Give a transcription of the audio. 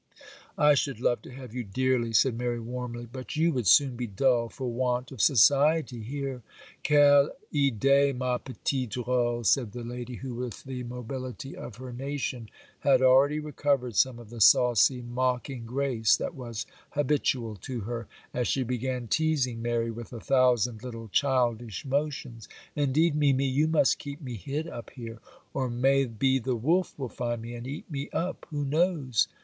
'I should love to have you dearly,' said Mary, warmly; 'but you would soon be dull for want of society here.' 'Quelle idée! ma petite drole,' said the lady, who with the mobility of her nation had already recovered some of the saucy mocking grace that was habitual to her, as she began teasing Mary with a thousand little childish motions. 'Indeed, mimi, you must keep me hid up here, or may be the wolf will find me and eat me up; who knows?